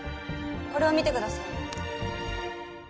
これを見てください